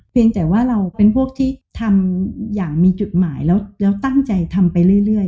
แต่ว่าเราเป็นพวกที่ทำอย่างมีจุดหมายแล้วตั้งใจทำไปเรื่อย